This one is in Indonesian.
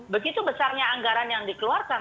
begitu besarnya anggaran yang dikeluarkan